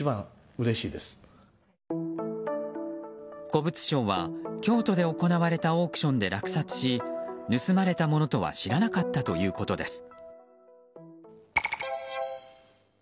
古物商は京都で行われたオークションで落札し盗まれたものとは知らなかったということです。